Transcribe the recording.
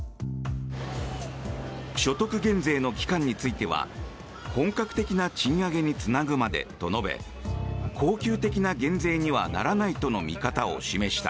所得減税の期間については本格的な賃上げにつなぐまでと述べ恒久的な減税にはならないとの見方を示した。